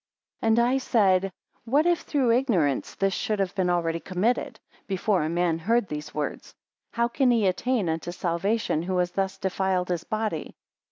60 And I said, What if through ignorance this should have been already committed, before a man heard these words; How can he attain into salvation, who has thus defiled his body?